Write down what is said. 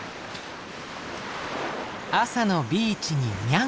朝のビーチにニャン。